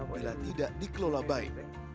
bila tidak dikelola baik